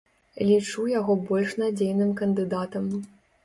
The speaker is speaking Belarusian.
Лічу яго больш надзейным кандыдатам.